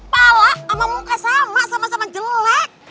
pala sama muka sama sama sama jelek